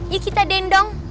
yuk kita den dong